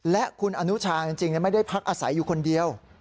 และคุณอนุชาจริงไม่ได้พักอาศัยอยู่คนเดียว